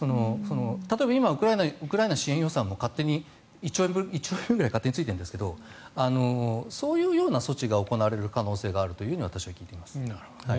例えば、今、ウクライナの支援予算も１兆円ぐらい勝手についてるんですけどそういうような措置が行われる可能性があると私は聞いています。